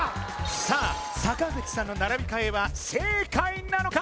さあ坂口さんの並び替えは正解なのか？